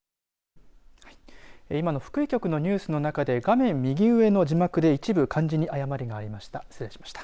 今の福井局のニュースの中で画面右上の字幕で一部漢字に誤りがありました。